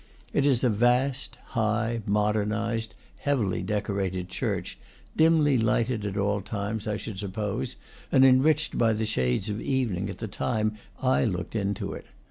It is a vast, high, modernised, heavily decorated church, dimly lighted at all times, I should suppose, and enriched by the shades of evening at the time I looked into it.